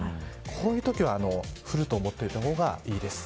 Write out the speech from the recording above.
こういうときは降ると思っておいた方がいいです。